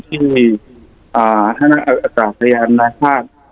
ทางนั่นอากาศพยานนาฬิกา